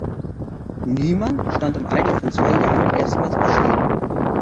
Nyman stand im Alter von zwei Jahren erstmals auf Skiern.